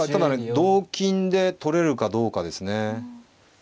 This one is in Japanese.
同金で取れるかどうかですね。